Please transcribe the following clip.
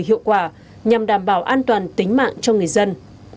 hiệu quả nhằm đảm bảo an toàn tính mạng cho người dân